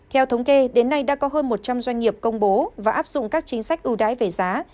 theo thống kê đến nay đã có hơn một trăm linh doanh nghiệp công bố và áp dụng các chính sách ưu đãi về giá